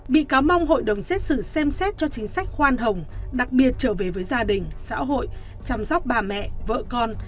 bị cáo mong hội đồng xét xử xem xét cho chính sách khoan hồng đặc biệt trở về với gia đình xã hội chăm sóc bà mẹ vợ con